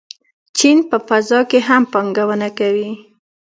چین په فضا کې هم پانګونه کوي.